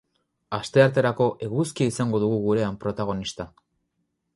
Astearterako eguzkia izango dugu gurean protagonista.